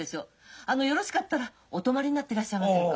あのよろしかったらお泊まりになってらっしゃいませんか。